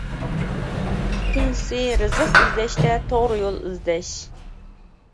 ئىككىنچىسى: رىزىق ئىزدەشتە توغرا يول ئىزدەش.